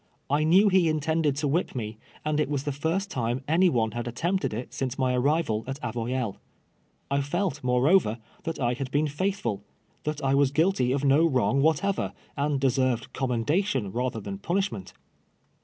I knew he intended to whij) me, and it was the fii st time any one had attemj)ted it since my arrival at Avoyelles. I felt, moreover, that I had been ftiithful — that I was guilty of no wrong wliatever, and deserved commenda tion rather than i)unishment.